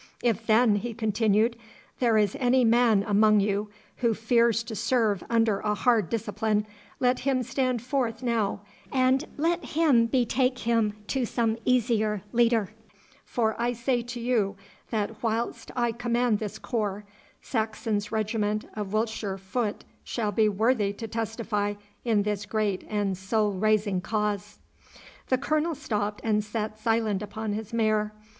'If, then,' he continued, 'there is any man among you who fears to serve under a hard discipline, let him stand forth now, and let him betake him to some easier leader, for I say to you that whilst I command this corps, Saxon's regiment of Wiltshire foot shall be worthy to testify in this great and soul raising cause.' The Colonel stopped and sat silent upon his mare.